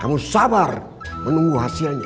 kamu sabar menunggu hasilnya